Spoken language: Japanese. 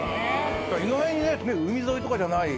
意外にね海沿いとかじゃない。